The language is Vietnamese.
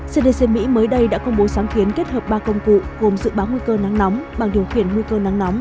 cdc mỹ mới đây đã công bố sáng kiến kết hợp ba công cụ gồm dự báo nguy cơ nắng nóng bằng điều khiển nguy cơ nắng nóng